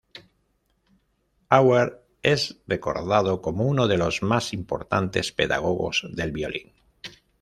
Auer es recordado como uno de los más importantes pedagogos del violín.